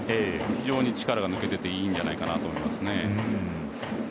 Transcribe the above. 非常に力が抜けていていいんじゃないかと思います。